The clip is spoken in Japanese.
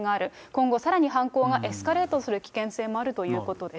今後、さらに犯行がエスカレートする危険性もあるということです。